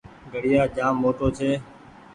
گھڙيآ جآم موٽو ڇي ۔